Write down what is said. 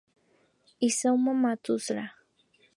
Isamu Matsuura